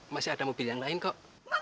masih ada mobil yang lain kok